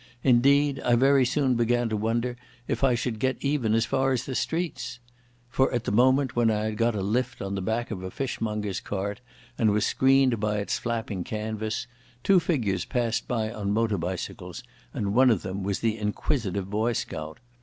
Indeed I very soon began to wonder if I should get even as far as the streets. For at the moment when I had got a lift on the back of a fishmonger's cart and was screened by its flapping canvas, two figures passed on motor bicycles, and one of them was the inquisitive boy scout.